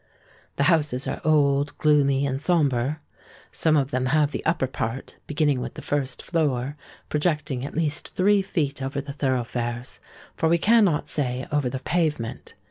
The houses are old, gloomy, and sombre. Some of them have the upper part, beginning with the first floor, projecting at least three feet over the thoroughfares—for we cannot say over the pavement.